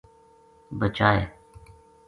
بچائے